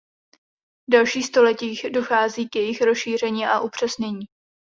V dalších stoletích dochází k jejich rozšíření a upřesnění.